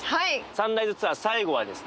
サンライズツアー最後はですね